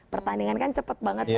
pertandingan kan cepet banget